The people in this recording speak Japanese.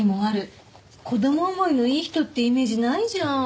子ども思いのいい人っていうイメージないじゃん。